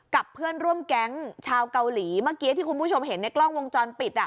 เพื่อนร่วมแก๊งชาวเกาหลีเมื่อกี้ที่คุณผู้ชมเห็นในกล้องวงจรปิด